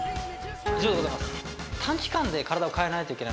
以上でございます。